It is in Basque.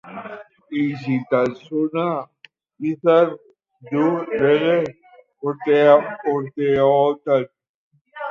Isiltasuna izan du lege urteotan.